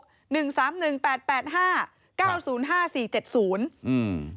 หนึ่งสามหนึ่งแปดแปดห้าเก้าศูนย์ห้าสี่เจ็ดศูนย์อืม